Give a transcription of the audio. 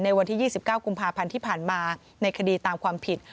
วันที่๒๙กุมภาพันธ์ที่ผ่านมาในคดีตามความผิด